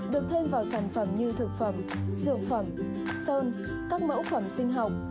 được thêm vào sản phẩm như thực phẩm dược phẩm sơn các mẫu phẩm sinh học